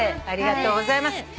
ありがとうございます。